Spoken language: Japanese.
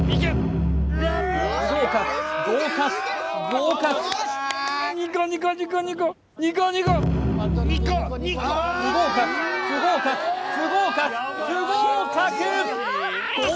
不合格合格合格２個２個不合格不合格不合格不合格！